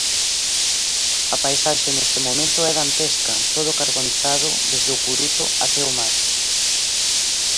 A paisaxe neste momento é dantesca, todo carbonizado desde o curuto até o mar.